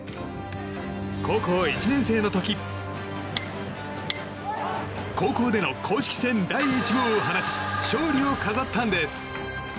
高校１年生の時高校での公式戦第１号を放ち勝利を飾ったんです。